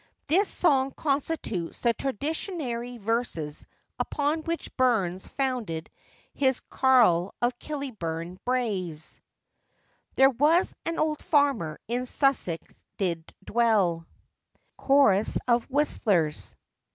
This song constitutes the 'traditionary verses' upon which Burns founded his Carle of Killyburn Braes.] THERE was an old farmer in Sussex did dwell, [Chorus of whistlers.